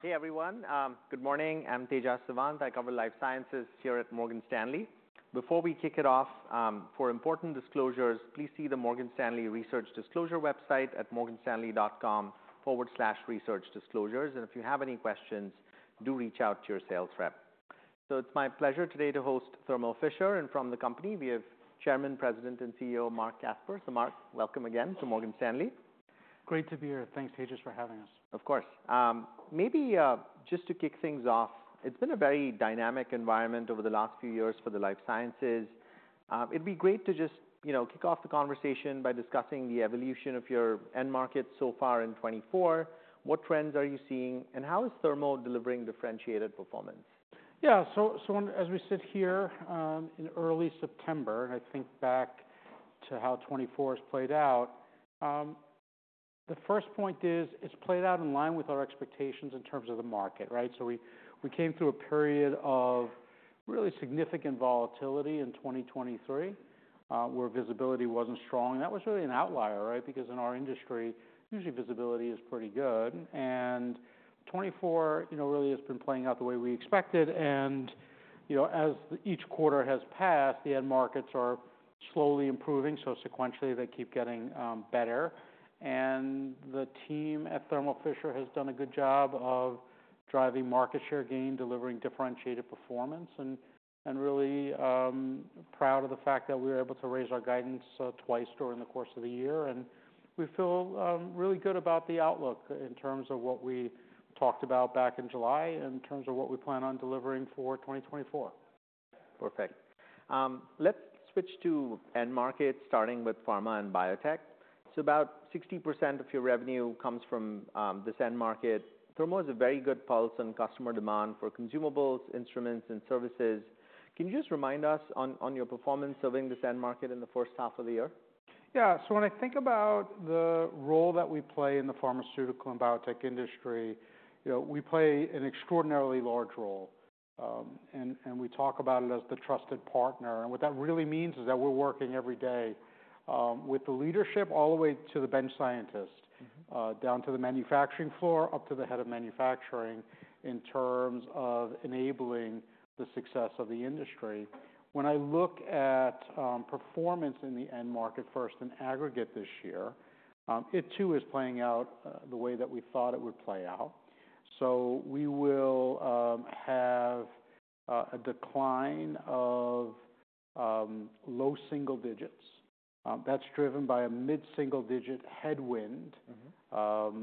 Hey, everyone. Good morning. I'm Tejas Sawant. I cover life sciences here at Morgan Stanley. Before we kick it off, for important disclosures, please see the Morgan Stanley Research Disclosure website at morganstanley.com/researchdisclosures, and if you have any questions, do reach out to your sales rep, so it's my pleasure today to host Thermo Fisher, and from the company, we have Chairman, President, and CEO, Marc Casper, so Marc, welcome again to Morgan Stanley. Great to be here. Thanks, Tejas, for having us. Of course. Maybe, just to kick things off, it's been a very dynamic environment over the last few years for the life sciences. It'd be great to just, you know, kick off the conversation by discussing the evolution of your end market so far in 2024. What trends are you seeing, and how is Thermo delivering differentiated performance? Yeah. So, as we sit here, in early September, and I think back to how 2024 has played out, the first point is, it's played out in line with our expectations in terms of the market, right? So we, we came through a period of really significant volatility in 2023, where visibility wasn't strong, and that was really an outlier, right? Because in our industry, usually visibility is pretty good, and 2024, you know, really has been playing out the way we expected, and, you know, as each quarter has passed, the end markets are slowly improving, so sequentially, they keep getting better. And the team at Thermo Fisher has done a good job of driving market share gain, delivering differentiated performance, and really proud of the fact that we were able to raise our guidance, twice during the course of the year. And we feel, really good about the outlook in terms of what we talked about back in July and in terms of what we plan on delivering for 2024. Perfect. Let's switch to end market, starting with pharma and biotech. So about 60% of your revenue comes from this end market. Thermo is a very good pulse on customer demand for consumables, instruments, and services. Can you just remind us on your performance serving this end market in the first half of the year? Yeah. So when I think about the role that we play in the pharmaceutical and biotech industry, you know, we play an extraordinarily large role, and we talk about it as the trusted partner. And what that really means is that we're working every day with the leadership all the way to the bench scientist down to the manufacturing floor, up to the head of manufacturing, in terms of enabling the success of the industry. When I look at performance in the end market, first in aggregate this year, it too is playing out the way that we thought it would play out. So we will have a decline of low single digits. That's driven by a mid-single-digit headwind-of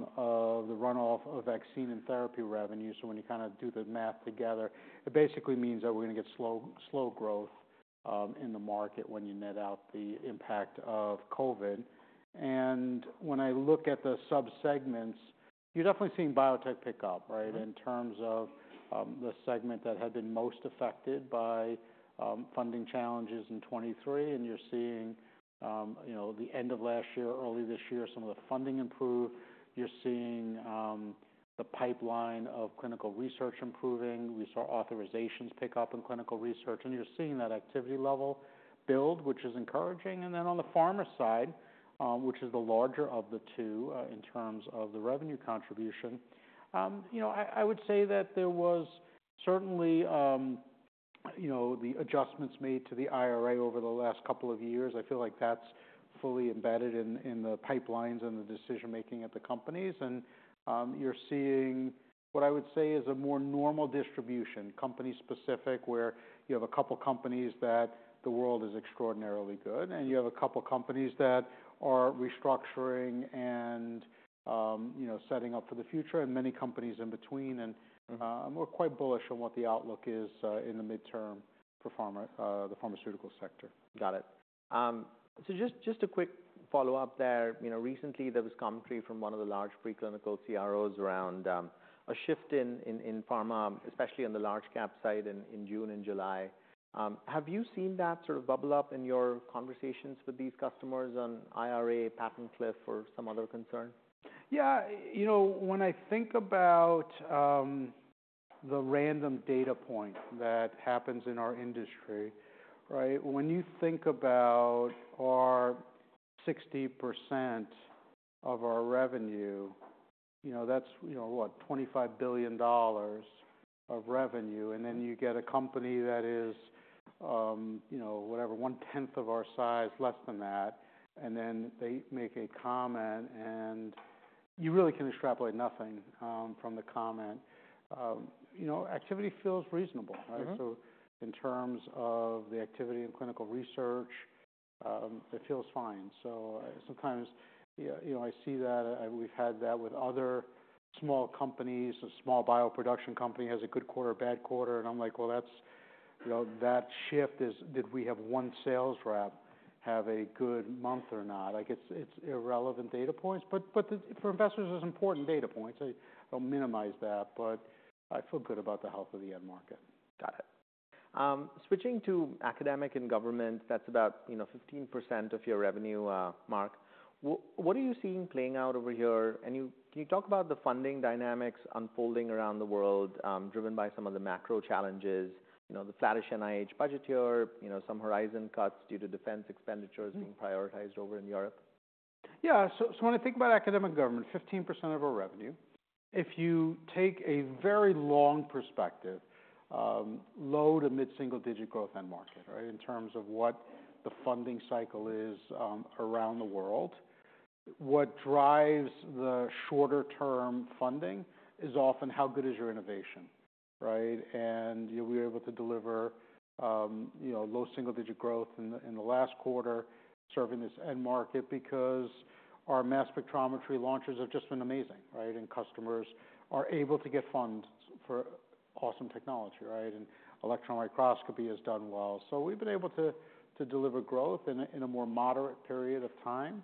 the runoff of vaccine and therapy revenue. So when you kind of do the math together, it basically means that we're going to get slow growth, in the market when you net out the impact of COVID. And when I look at the subsegments, you're definitely seeing biotech pick up, right. In terms of, the segment that had been most affected by, funding challenges in 2023, and you're seeing, you know, the end of last year, early this year, some of the funding improve. You're seeing, the pipeline of clinical research improving. We saw authorizations pick up in clinical research, and you're seeing that activity level build, which is encouraging. And then on the pharma side, which is the larger of the two, in terms of the revenue contribution, you know, I, I would say that there was certainly, you know, the adjustments made to the IRA over the last couple of years. I feel like that's fully embedded in, in the pipelines and the decision-making at the companies. You're seeing what I would say is a more normal distribution, company-specific, where you have a couple companies that the world is extraordinarily good, and you have a couple companies that are restructuring and, you know, setting up for the future, and many companies in between. We're quite bullish on what the outlook is in the midterm for pharma, the pharmaceutical sector. Got it. So just a quick follow-up there. You know, recently there was commentary from one of the large preclinical CROs around a shift in pharma, especially on the large cap side in June and July. Have you seen that sort of bubble up in your conversations with these customers on IRA, patent cliff, or some other concern? Yeah, when I think about the random data point that happens in our industry, right? When you think about our 60% of our revenue, you know, that's, you know, what, $25 billion of revenue, and then you get a company that is, you know, whatever, one-tenth of our size, less than that, and then they make a comment, and you really can extrapolate nothing from the comment. You know, activity feels reasonable, right? So in terms of the activity in clinical research, it feels fine. Sometimes, you know, I see that, and we've had that with other small companies. A small bioproduction company has a good quarter, a bad quarter, and I'm like: well, that's... You know, that shift is, did we have one sales rep have a good month or not? Like, it's, it's irrelevant data points, but, but for investors, it's important data points. I don't minimize that, but I feel good about the health of the end market. Got it. Switching to academic and government, that's about, you know, 15% of your revenue, Marc. What are you seeing playing out over here? And you can talk about the funding dynamics unfolding around the world, driven by some of the macro challenges, you know, the flattish NIH budget here, you know, some Horizon cuts due to defense expenditures being prioritized over in Europe? Yeah, so, so when I think about academic government, 15% of our revenue. If you take a very long perspective, low- to mid-single-digit growth end market, right? In terms of what the funding cycle is, around the world. What drives the shorter-term funding is often how good is your innovation, right? And you'll be able to deliver, you know, low single-digit growth in the last quarter, serving this end market because our mass spectrometry launches have just been amazing, right? And customers are able to get funds for awesome technology, right? And electron microscopy has done well. So we've been able to deliver growth in a more moderate period of time.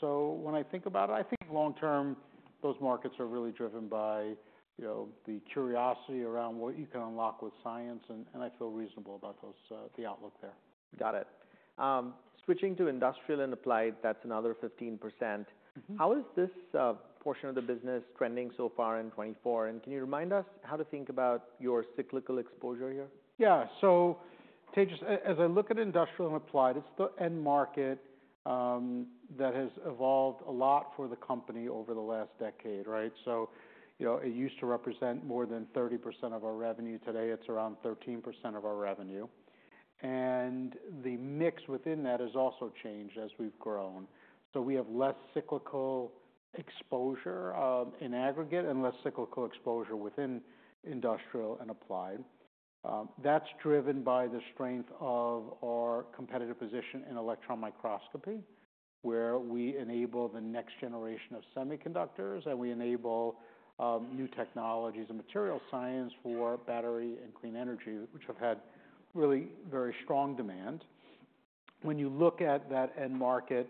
So when I think about it, I think long term, those markets are really driven by, you know, the curiosity around what you can unlock with science, and I feel reasonable about those, the outlook there. Got it. Switching to industrial and applied, that's another 15%. How is this portion of the business trending so far in 2024? And can you remind us how to think about your cyclical exposure here? Yeah. So Tejas, as I look at industrial and applied, it's the end market that has evolved a lot for the company over the last decade, right? So, you know, it used to represent more than 30% of our revenue. Today, it's around 13% of our revenue, and the mix within that has also changed as we've grown. So we have less cyclical exposure in aggregate and less cyclical exposure within industrial and applied. That's driven by the strength of our competitive position in electron microscopy, where we enable the next generation of semiconductors, and we enable new technologies and material science for battery and clean energy, which have had really very strong demand. When you look at that end market,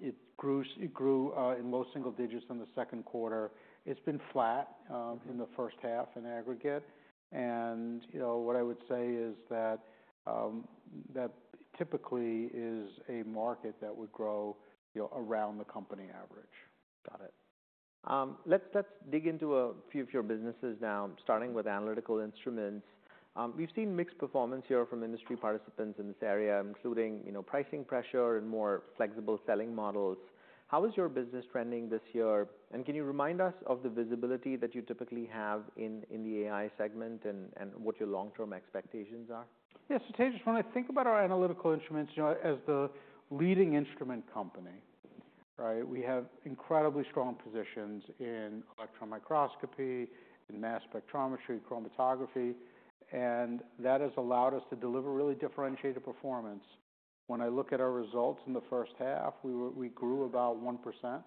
it grew in low single digits in the second quarter. It's been flat in the first half in aggregate. And, you know, what I would say is that that typically is a market that would grow, you know, around the company average. Got it. Let's dig into a few of your businesses now, starting with analytical instruments. We've seen mixed performance here from industry participants in this area, including, you know, pricing pressure and more flexible selling models. How is your business trending this year? And can you remind us of the visibility that you typically have in the AI segment and what your long-term expectations are? Yes, so Tejas, when I think about our analytical instruments, you know, as the leading instrument company, right, we have incredibly strong positions in electron microscopy, in mass spectrometry, chromatography, and that has allowed us to deliver really differentiated performance. When I look at our results in the first half, we grew about 1%.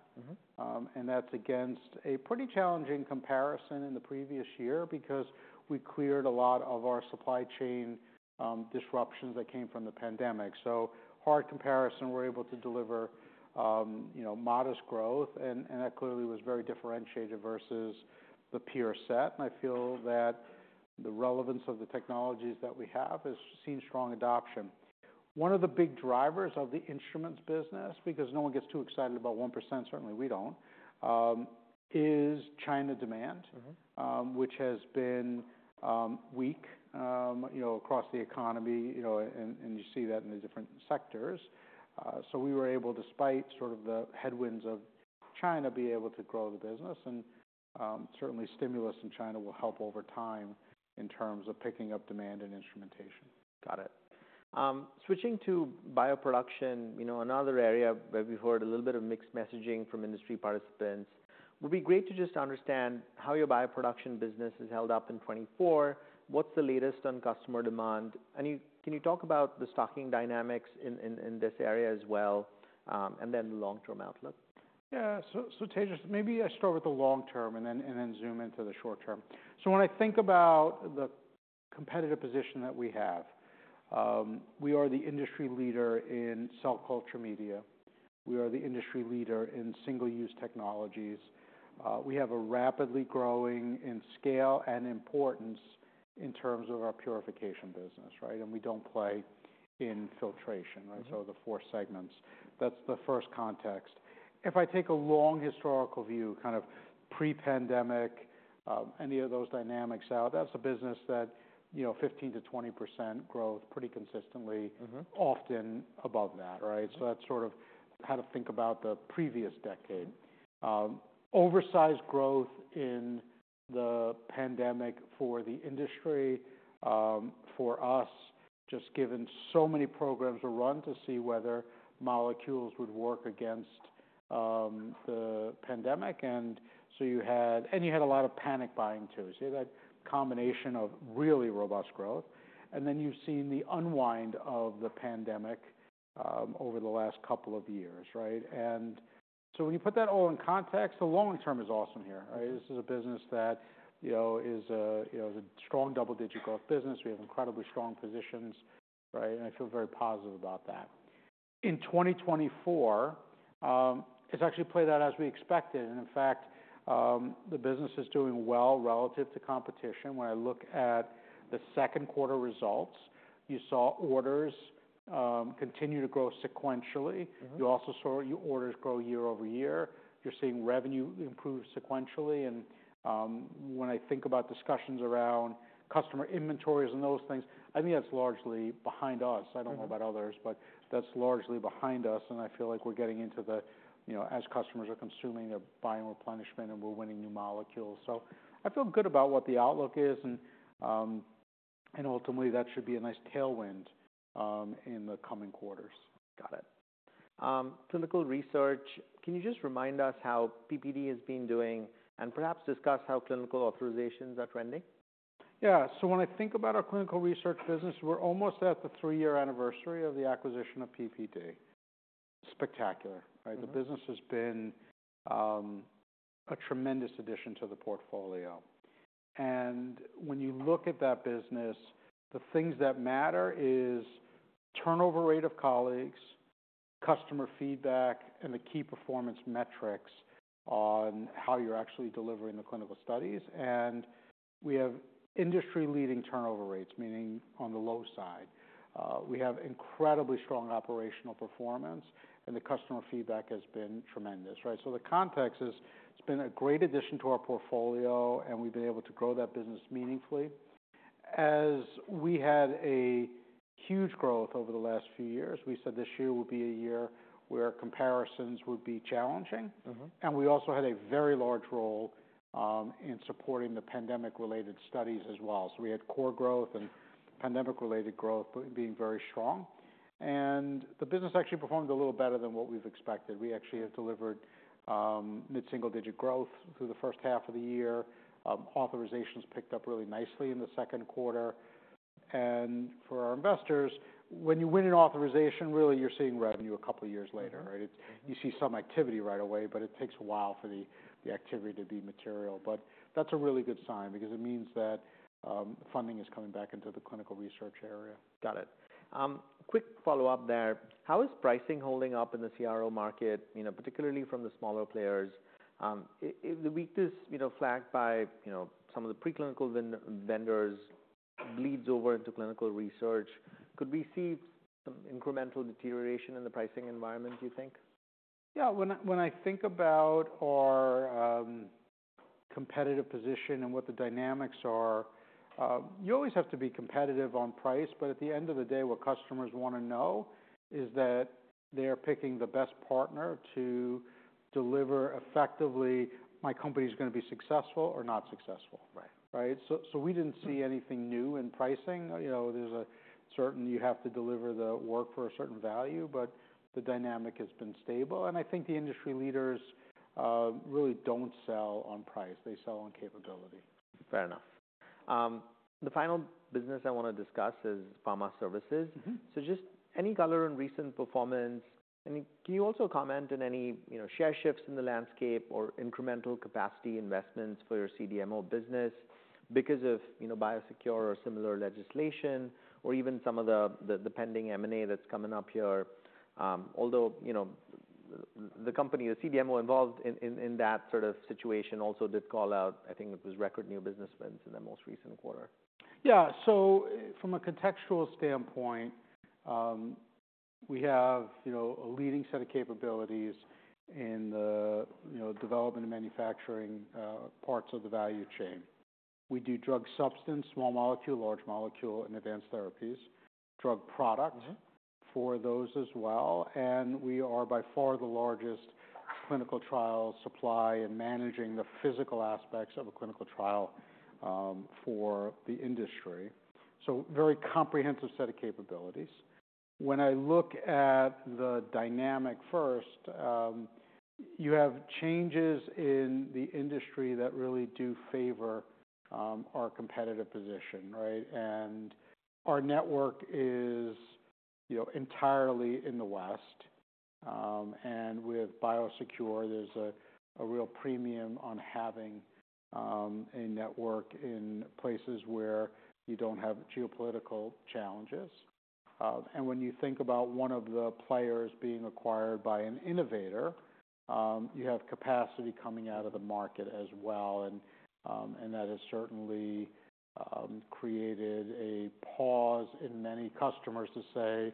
And that's against a pretty challenging comparison in the previous year because we cleared a lot of our supply chain disruptions that came from the pandemic. So hard comparison, we're able to deliver, you know, modest growth, and that clearly was very differentiated versus the peer set, and I feel that the relevance of the technologies that we have has seen strong adoption. One of the big drivers of the instruments business, because no one gets too excited about 1%, certainly we don't, is China demand which has been weak across the economy, you know, and you see that in the different sectors. So we were able, despite sort of the headwinds of China, be able to grow the business. And certainly stimulus in China will help over time in terms of picking up demand and instrumentation. Got it. Switching to bioproduction, you know, another area where we've heard a little bit of mixed messaging from industry participants. Would be great to just understand how your bioproduction business has held up in 2024. What's the latest on customer demand? And can you talk about the stocking dynamics in this area as well, and then the long-term outlook? Yeah. So, Tejas, maybe I start with the long term and then zoom into the short term. So when I think about the competitive position that we have, we are the industry leader in cell culture media. We are the industry leader in single-use technologies. We have a rapidly growing in scale and importance in terms of our purification business, right? And we don't play in filtration, right? So the four segments, that's the first context. If I take a long historical view, kind of pre-pandemic, any of those dynamics out, that's a business that, you know, 15%-20% growth pretty consistently often above that, right? So that's sort of how to think about the previous decade. Oversized growth in the pandemic for the industry, for us, just given so many programs were run to see whether molecules would work against the pandemic. And so you had a lot of panic buying, too. So you had that combination of really robust growth, and then you've seen the unwind of the pandemic over the last couple of years, right? And so when you put that all in context, the long term is awesome here, right? This is a business that, you know, is a, you know, a strong double-digit growth business. We have incredibly strong positions, right? And I feel very positive about that. In twenty twenty-four, it's actually played out as we expected, and in fact, the business is doing well relative to competition. When I look at the second quarter results, you saw orders continue to grow sequentially. You also saw your orders grow year over year. You're seeing revenue improve sequentially, and when I think about discussions around customer inventories and those things, I think that's largely behind us. I don't know about others, but that's largely behind us, and I feel like we're getting into the, you know, as customers are consuming, they're buying replenishment, and we're winning new molecules. So I feel good about what the outlook is, and ultimately, that should be a nice tailwind in the coming quarters. Got it. Clinical research, can you just remind us how PPD has been doing, and perhaps discuss how clinical authorizations are trending? Yeah, so when I think about our clinical research business, we're almost at the three-year anniversary of the acquisition of PPD. Spectacular, right? The business has been a tremendous addition to the portfolio. And when you look at that business, the things that matter is turnover rate of colleagues, customer feedback, and the key performance metrics on how you're actually delivering the clinical studies. And we have industry-leading turnover rates, meaning on the low side. We have incredibly strong operational performance, and the customer feedback has been tremendous, right? So the context is, it's been a great addition to our portfolio, and we've been able to grow that business meaningfully. As we had a huge growth over the last few years, we said this year would be a year where comparisons would be challenging. We also had a very large role in supporting the pandemic-related studies as well. We had core growth and pandemic-related growth being very strong, and the business actually performed a little better than what we've expected. We actually have delivered mid-single-digit growth through the first half of the year. Authorizations picked up really nicely in the second quarter. For our investors, when you win an authorization, really, you're seeing revenue a couple of years later, right? You see some activity right away, but it takes a while for the activity to be material. But that's a really good sign because it means that funding is coming back into the clinical research area. Got it. Quick follow-up there. How is pricing holding up in the CRO market, you know, particularly from the smaller players? If the weakness, you know, flagged by, you know, some of the preclinical vendors bleeds over into clinical research, could we see some incremental deterioration in the pricing environment, do you think? Yeah. When I think about our competitive position and what the dynamics are, you always have to be competitive on price, but at the end of the day, what customers want to know is that they're picking the best partner to deliver effectively, "My company is gonna be successful or not successful. Right. Right? So, we didn't see anything new in pricing. You know, there's a certain... You have to deliver the work for a certain value, but the dynamic has been stable, and I think the industry leaders really don't sell on price, they sell on capability. Fair enough. The final business I wanna discuss is pharma services. So just any color and recent performance? And can you also comment on any, you know, share shifts in the landscape or incremental capacity investments for your CDMO business because of, you know, BIOSECURE or similar legislation, or even some of the pending M&A that's coming up here? Although, you know, the company, the CDMO, involved in that sort of situation also did call out, I think it was record new business wins in their most recent quarter. Yeah. So from a contextual standpoint, we have, you know, a leading set of capabilities in the, you know, development and manufacturing, parts of the value chain. We do drug substance, small molecule, large molecule, and advanced therapies, drug products for those as well. And we are by far the largest clinical trial supply in managing the physical aspects of a clinical trial, for the industry. So very comprehensive set of capabilities. When I look at the dynamic first, you have changes in the industry that really do favor, our competitive position, right? And our network is, you know, entirely in the West. And with BioSecure, there's a real premium on having, a network in places where you don't have geopolitical challenges. And when you think about one of the players being acquired by an innovator, you have capacity coming out of the market as well. And that has certainly created a pause in many customers to say: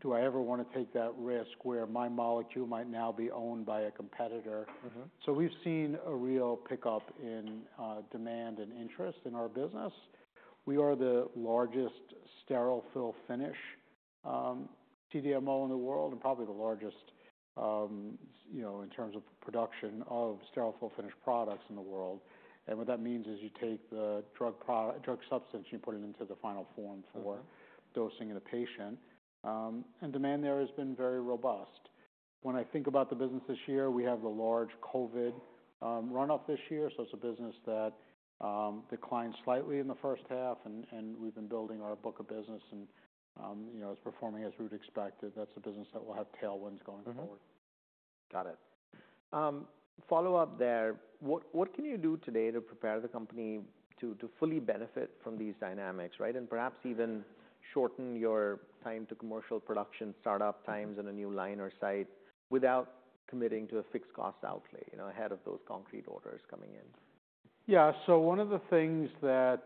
"Do I ever want to take that risk where my molecule might now be owned by a competitor? We've seen a real pickup in demand and interest in our business. We are the largest sterile fill finish CDMO in the world, and probably the largest you know in terms of production of sterile fill finished products in the world. What that means is you take the drug prod-- drug substance, you put it into the final form for dosing in a patient, and demand there has been very robust. When I think about the business this year, we have the large COVID runoff this year, so it's a business that declined slightly in the first half, and we've been building our book of business, and you know, it's performing as we'd expected. That's a business that will have tailwinds going forward. Got it. Follow up there, what can you do today to prepare the company to fully benefit from these dynamics, right? And perhaps even shorten your time to commercial production, start-up times in a new line or site, without committing to a fixed cost outlay, you know, ahead of those concrete orders coming in. Yeah. So one of the things that,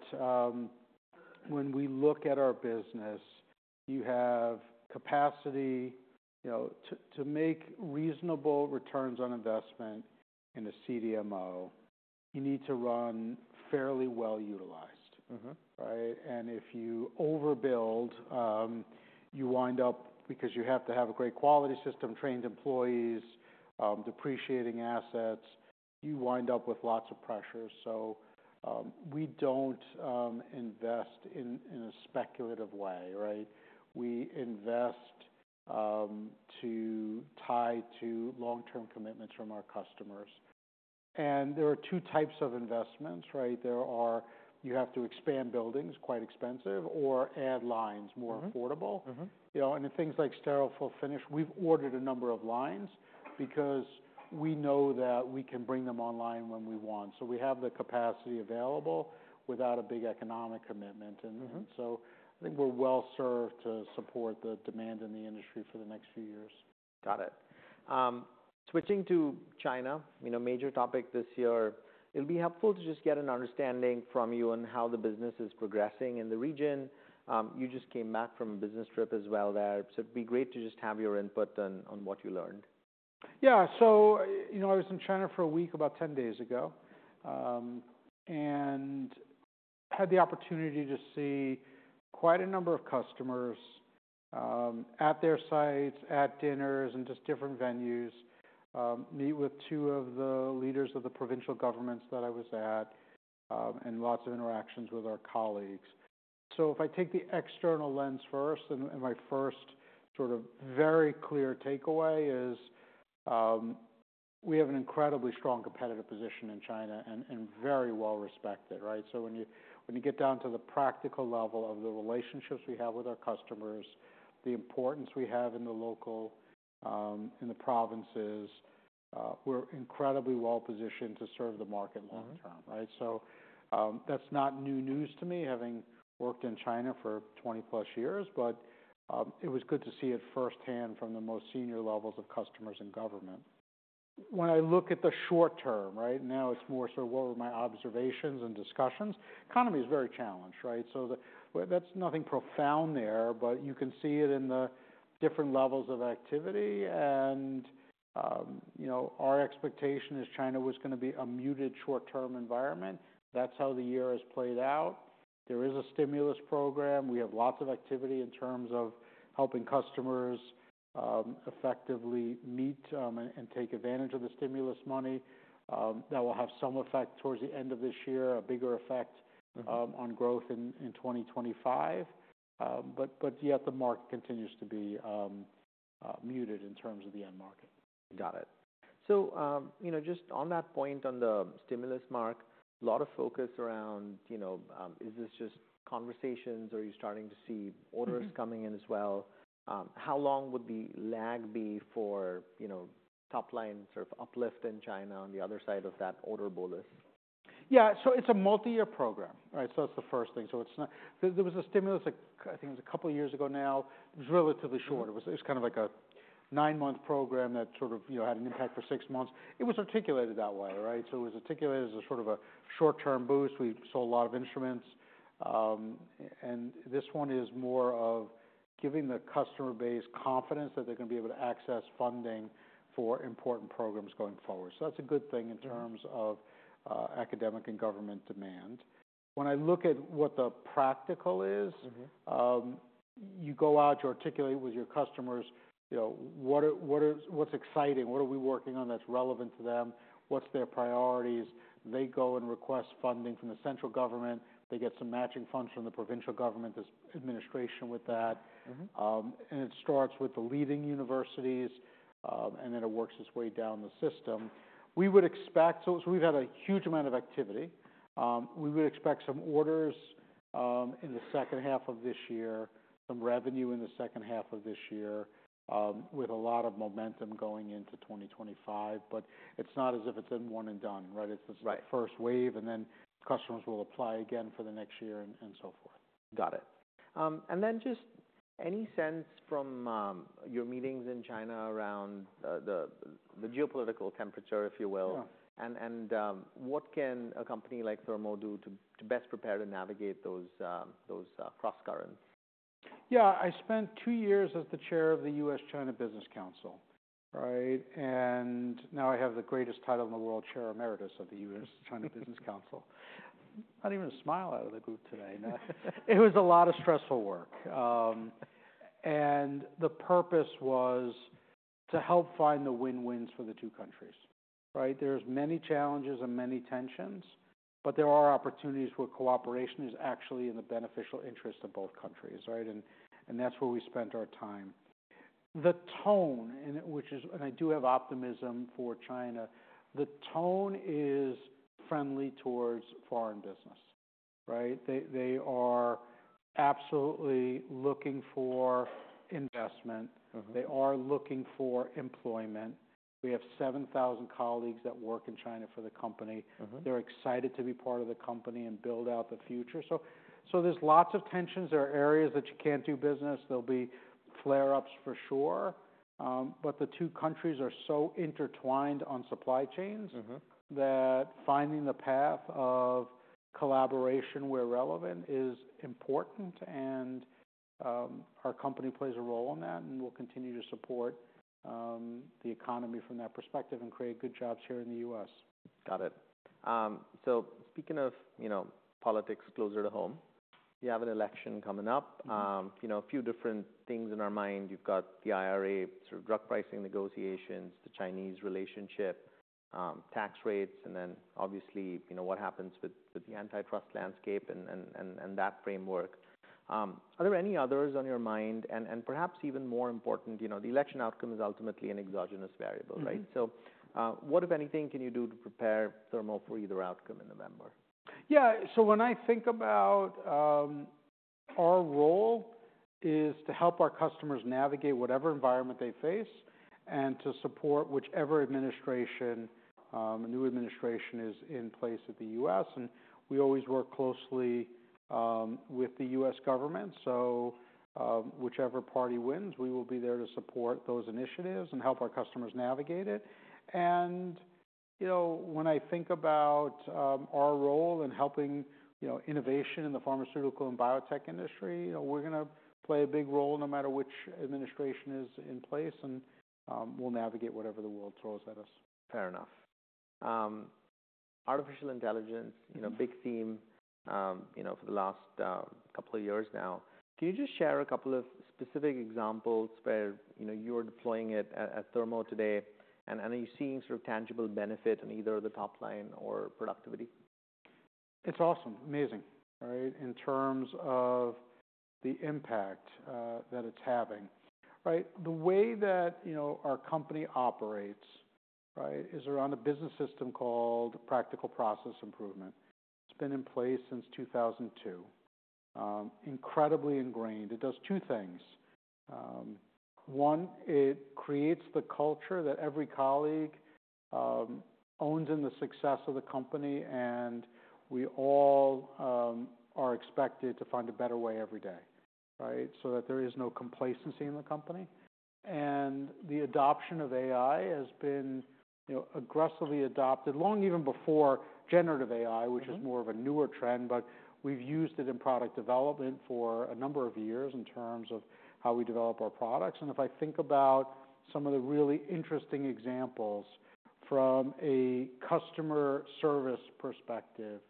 when we look at our business, you have capacity, you know, to make reasonable returns on investment in a CDMO. You need to run fairly well utilized. Right? And if you overbuild, you wind up, because you have to have a great quality system, trained employees, depreciating assets, you wind up with lots of pressures. So, we don't invest in a speculative way, right? We invest to tie to long-term commitments from our customers. And there are two types of investments, right? There are... You have to expand buildings, quite expensive, or add lines more affordable. And in things like sterile fill finish, we've ordered a number of lines because we know that we can bring them online when we want. So we have the capacity available without a big economic commitment. And so I think we're well served to support the demand in the industry for the next few years. Got it. Switching to China, you know, major topic this year. It'll be helpful to just get an understanding from you on how the business is progressing in the region. You just came back from a business trip as well there, so it'd be great to just have your input on what you learned. Yeah. So, you know, I was in China for a week, about 10 days ago. And had the opportunity to see quite a number of customers, at their sites, at dinners, and just different venues. Meet with two of the leaders of the provincial governments that I was at, and lots of interactions with our colleagues. So if I take the external lens first, and, and my first sort of very clear takeaway is, we have an incredibly strong competitive position in China and, and very well respected, right? So when you, when you get down to the practical level of the relationships we have with our customers, the importance we have in the local, in the provinces, we're incredibly well positioned to serve the market long term. Right? So, that's not new news to me, having worked in China for twenty-plus years, but it was good to see it firsthand from the most senior levels of customers and government. When I look at the short term, right, now, it's more so what were my observations and discussions. Economy is very challenged, right? That's nothing profound there, but you can see it in the different levels of activity. You know, our expectation is China was gonna be a muted short-term environment. That's how the year has played out. There is a stimulus program. We have lots of activity in terms of helping customers effectively meet and take advantage of the stimulus money. That will have some effect towards the end of this year, a bigger effect on growth in 2025. But yet the market continues to be muted in terms of the end market. Got it. So, you know, just on that point, on the stimulus market, a lot of focus around, you know, is this just conversations, or are you starting to see orders coming in as well? How long would the lag be for, you know, top line sort of uplift in China on the other side of that order bullet? Yeah, so it's a multi-year program. Right. So that's the first thing. So it's not... There was a stimulus, like, I think it was a couple of years ago now. It was relatively short. It was just kind of like a nine-month program that sort of, you know, had an impact for six months. It was articulated that way, right? So it was articulated as a sort of a short-term boost. We sold a lot of instruments, and this one is more of giving the customer base confidence that they're gonna be able to access funding for important programs going forward. So that's a good thing in terms of, academic and government demand. When I look at what the practical is, you go out, you articulate with your customers, you know, what's exciting? What are we working on that's relevant to them? What's their priorities? They go and request funding from the central government. They get some matching funds from the provincial government, this administration with that. And it starts with the leading universities, and then it works its way down the system. We would expect. So we've had a huge amount of activity. We would expect some orders in the second half of this year, some revenue in the second half of this year, with a lot of momentum going into 2025. But it's not as if it's one and done, right? It's this first wave, and then customers will apply again for the next year and, and so forth. Got it. And then just any sense from your meetings in China around the geopolitical temperature, if you will? Yeah. What can a company like Thermo do to best prepare to navigate those cross currents? Yeah. I spent two years as the Chair of the US-China Business Council, right? And now I have the greatest title in the world, Chair Emeritus of the US-China Business Council. Not even a smile out of the group today. It was a lot of stressful work. And the purpose was to help find the win-wins for the two countries, right? There's many challenges and many tensions, but there are opportunities where cooperation is actually in the beneficial interest of both countries, right? And, and that's where we spent our time. The tone, and which is, and I do have optimism for China. The tone is friendly towards foreign business, right? They, they are absolutely looking for investment. They are looking for employment. We have seven thousand colleagues that work in China for the company. They're excited to be part of the company and build out the future. So there's lots of tensions. There are areas that you can't do business. There'll be flare-ups for sure, but the two countries are so intertwined on supply chains that finding the path to collaboration where relevant is important, and our company plays a role in that, and we'll continue to support the economy from that perspective and create good jobs here in the U.S. Got it. So speaking of, you know, politics closer to home, you have an election coming up. A few different things in our mind. You've got the IRA, sort of drug pricing negotiations, the Chinese relationship, tax rates, and then obviously, you know, what happens with the antitrust landscape and that framework. Are there any others on your mind? Perhaps even more important, you know, the election outcome is ultimately an exogenous variable, right? What, if anything, can you do to prepare Thermo for either outcome in November? Yeah, so when I think about our role is to help our customers navigate whatever environment they face and to support whichever administration a new administration is in place at the U.S. And we always work closely with the U.S. government, so whichever party wins, we will be there to support those initiatives and help our customers navigate it. And, you know, when I think about our role in helping, you know, innovation in the pharmaceutical and biotech industry, we're gonna play a big role no matter which administration is in place, and we'll navigate whatever the world throws at us. Fair enough. Artificial intelligence, big theme, you know, for the last couple of years now. Can you just share a couple of specific examples where, you know, you're deploying it at Thermo today, and are you seeing sort of tangible benefit on either the top line or productivity? It's awesome. Amazing, right? In terms of the impact that it's having. Right, the way that, you know, our company operates, right, is around a business system called Practical Process Improvement. It's been in place since 2002. Incredibly ingrained. It does two things: one, it creates the culture that every colleague owns in the success of the company, and we all are expected to find a better way every day, right? So that there is no complacency in the company. And the adoption of AI has been, you know, aggressively adopted long even before generative AI which is more of a newer trend, but we've used it in product development for a number of years in terms of how we develop our products. And if I think about some of the really interesting examples from a customer service perspective,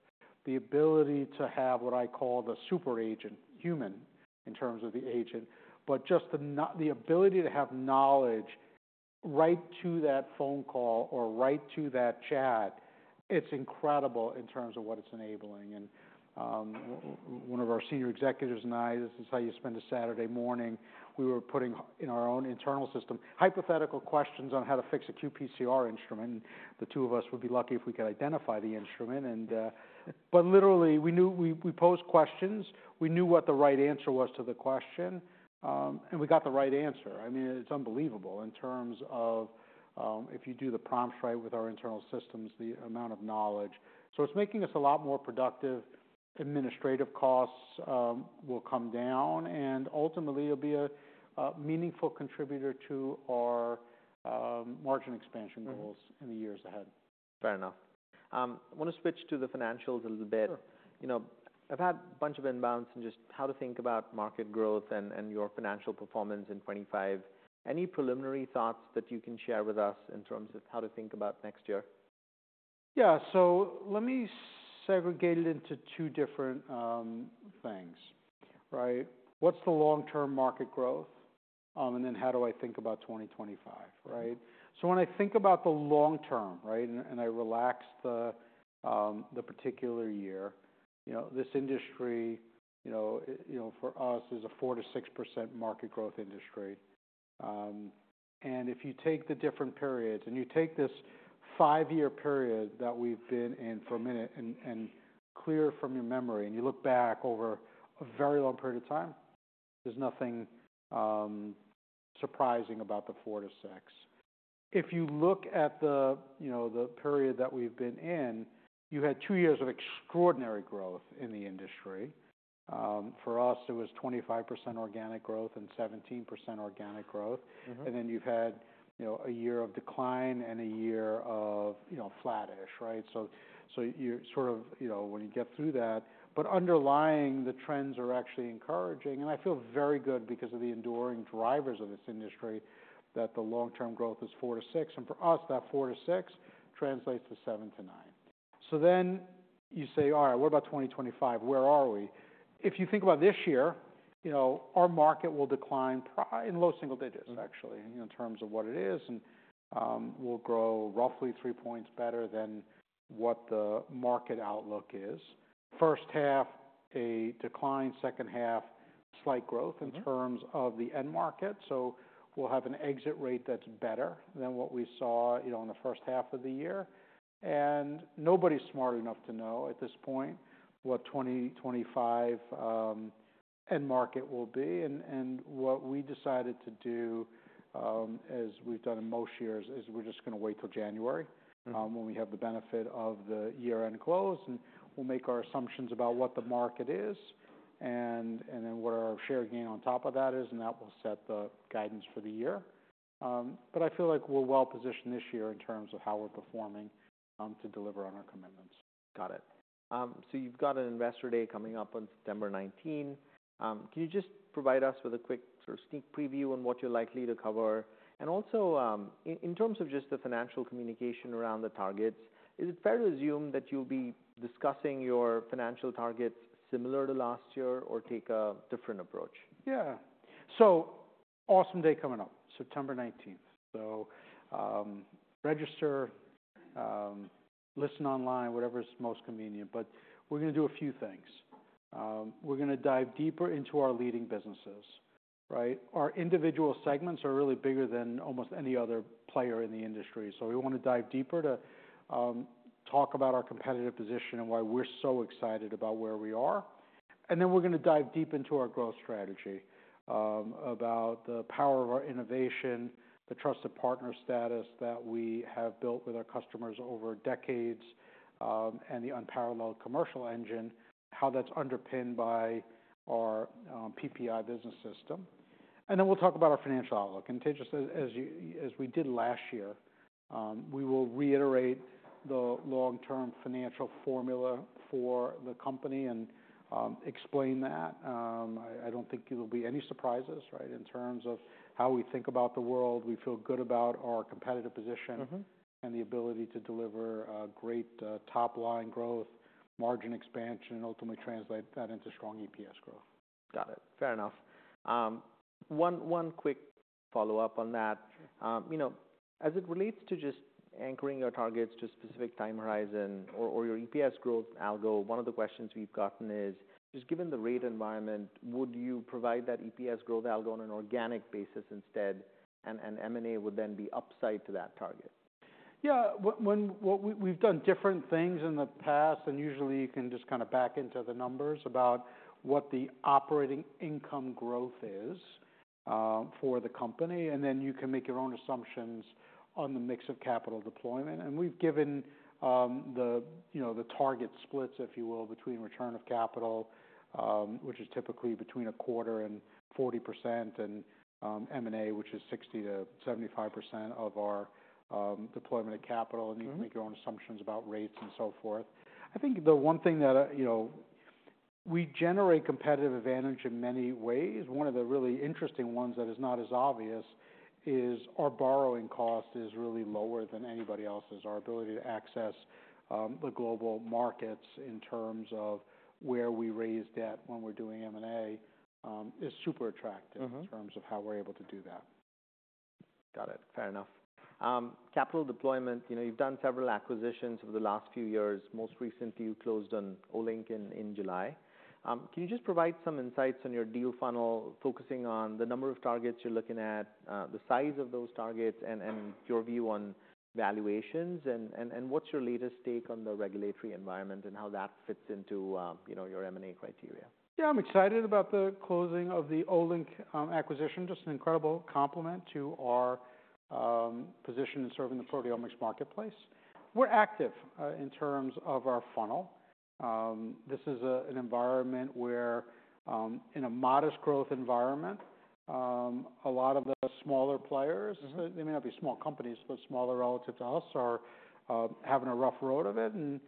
the ability to have what I call the super agent, human in terms of the agent, but just the ability to have knowledge right to that phone call or right to that chat, it's incredible in terms of what it's enabling. And, one of our senior executives and I, this is how you spend a Saturday morning, we were putting in our own internal system, hypothetical questions on how to fix a qPCR instrument, and the two of us would be lucky if we could identify the instrument. Literally, we posed questions, we knew what the right answer was to the question, and we got the right answer. I mean, it's unbelievable in terms of if you do the prompts right with our internal systems, the amount of knowledge, so it's making us a lot more productive. Administrative costs will come down, and ultimately, it'll be a meaningful contributor to our margin expansion goals in the years ahead. Fair enough. I want to switch to the financials a little bit. Sure. I've had a bunch of inbounds on just how to think about market growth and your financial performance in 2025. Any preliminary thoughts that you can share with us in terms of how to think about next year? Yeah. So let me segregate it into two different things, right? What's the long-term market growth, and then how do I think about twenty twenty-five, right? So when I think about the long term, right, and I relax the particular year, you know, this industry, you know, you know, for us, is a 4-6% market growth industry. And if you take the different periods and you take this five-year period that we've been in for a minute and clear from your memory, and you look back over a very long period of time, there's nothing surprising about the 4-6. If you look at the, you know, the period that we've been in, you had two years of extraordinary growth in the industry. For us, it was 25% organic growth and 17% organic growth. And then you've had, you know, a year of decline and a year of, you know, flatish, right? So you sort of, you know, when you get through that. But underlying, the trends are actually encouraging, and I feel very good because of the enduring drivers of this industry, that the long-term growth is four to six, and for us, that four to six translates to seven to nine. So then you say, "All right, what about twenty twenty-five? Where are we?" If you think about this year, you know, our market will decline in low single digits, actually in terms of what it is, and, we'll grow roughly three points better than what the market outlook is. First half, a decline, second half, slight growth in terms of the end market. So we'll have an exit rate that's better than what we saw, you know, in the first half of the year. And nobody's smart enough to know at this point what 2025 end market will be. And what we decided to do, as we've done in most years, is we're just gonna wait till January when we have the benefit of the year-end close, and we'll make our assumptions about what the market is, and then what our share gain on top of that is, and that will set the guidance for the year, but I feel like we're well positioned this year in terms of how we're performing to deliver on our commitments. Got it. So you've got an Investor Day coming up on September 19. Can you just provide us with a quick sort of sneak preview on what you're likely to cover? And also, in terms of just the financial communication around the targets, is it fair to assume that you'll be discussing your financial targets similar to last year, or take a different approach? Yeah. So awesome day coming up, September nineteenth. So, register, listen online, whatever is most convenient. But we're gonna do a few things. We're gonna dive deeper into our leading businesses, right? Our individual segments are really bigger than almost any other player in the industry, so we want to dive deeper to talk about our competitive position and why we're so excited about where we are. And then we're gonna dive deep into our growth strategy, about the power of our innovation, the trusted partner status that we have built with our customers over decades, and the unparalleled commercial engine, how that's underpinned by our PPI business system. And then we'll talk about our financial outlook, and just as we did last year, we will reiterate the long-term financial formula for the company and explain that. I don't think there will be any surprises, right, in terms of how we think about the world. We feel good about our competitive position and the ability to deliver great top-line growth, margin expansion, and ultimately translate that into strong EPS growth. Got it. Fair enough. One quick follow-up on that. You know, as it relates to just anchoring your targets to a specific time horizon or your EPS growth algo, one of the questions we've gotten is, just given the rate environment, would you provide that EPS growth algo on an organic basis instead, and M&A would then be upside to that target? Yeah. We've done different things in the past, and usually you can just kind of back into the numbers about what the operating income growth is, for the company, and then you can make your own assumptions on the mix of capital deployment. And we've given the, you know, the target splits, if you will, between return of capital, which is typically between 25% and 40%, and M&A, which is 60%-75% of our deployment of capital. You can make your own assumptions about rates and so forth. I think the one thing that, you know, we generate competitive advantage in many ways. One of the really interesting ones that is not as obvious is our borrowing cost is really lower than anybody else's. Our ability to access the global markets in terms of where we raise debt when we're doing M&A is super attractive in terms of how we're able to do that. Got it. Fair enough. Capital deployment, you know, you've done several acquisitions over the last few years. Most recently, you closed on Olink in July. Can you just provide some insights on your deal funnel, focusing on the number of targets you're looking at, the size of those targets, and what's your latest take on the regulatory environment and how that fits into, you know, your M&A criteria? Yeah, I'm excited about the closing of the Olink acquisition. Just an incredible complement to our position in serving the proteomics marketplace. We're active in terms of our funnel. This is an environment where in a modest growth environment a lot of the smaller players, they may not be small companies, but smaller relative to us, are having a rough road of it. And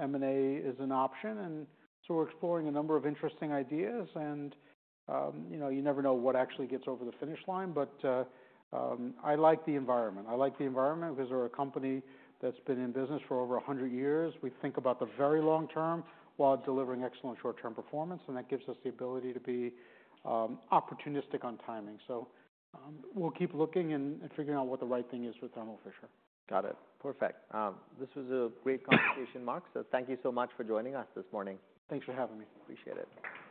M&A is an option, and so we're exploring a number of interesting ideas. And you know, you never know what actually gets over the finish line, but I like the environment. I like the environment because we're a company that's been in business for over a hundred years. We think about the very long term while delivering excellent short-term performance, and that gives us the ability to be opportunistic on timing. We'll keep looking and figuring out what the right thing is for Thermo Fisher. Got it. Perfect. This was a great conversation, Marc, so thank you so much for joining us this morning. Thanks for having me. Appreciate it.